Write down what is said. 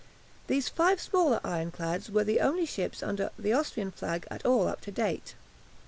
These five smaller ironclads were the only ships under the Austrian flag at all up to date.